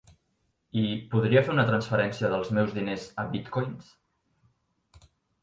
I podria fer una transferència dels meus diners a bitcoins?